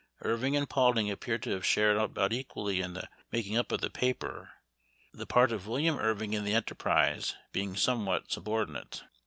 Irving and Pauld ing appear to have shared about equally in the making up of the paper, the part of William Irving in the enterprise being somewhat sub ordinate.